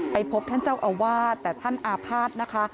พบท่านเจ้าอาวาสแต่ท่านอาภาษณ์นะคะ